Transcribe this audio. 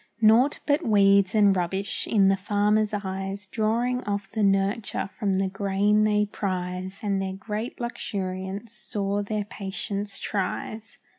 Naught but weeds and rubbish, in the farmer's eyes, Drawing off the nurture from the grain they prize, And their great luxuriance sore their patience tries.